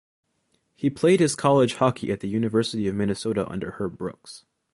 He played his college hockey at the University of Minnesota under Herb Brooks.